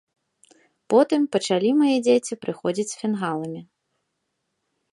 Потым пачалі мае дзеці прыходзіць з фінгаламі.